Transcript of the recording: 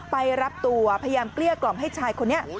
ไปรับตัวพยายามเกลี้ยกล่อมให้ชายคนนี้